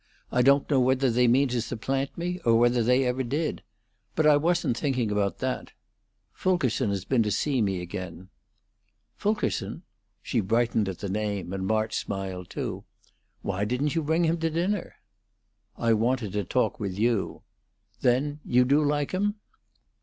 I don't know whether they mean to supplant me, or whether they ever did. But I wasn't thinking about that. Fulkerson has been to see me again." "Fulkerson?" She brightened at the name, and March smiled, too. "Why didn't you bring him to dinner?" "I wanted to talk with you. Then you do like him?"